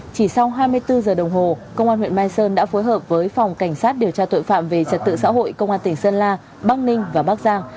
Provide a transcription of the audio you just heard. chỉ sau hai mươi bốn giờ đồng hồ công an huyện mai sơn đã phối hợp với phòng cảnh sát điều tra tội phạm về trật tự xã hội công an tỉnh sơn la bắc ninh và bắc giang